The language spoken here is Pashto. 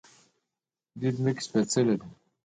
د دوی ځمکه سپیڅلې ده.